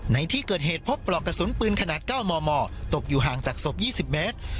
ในที่เกิดเหตุพบปลอกกระสุนปืนขนาด๙มมตกอยู่ห่างจากศพ๒๐เมตร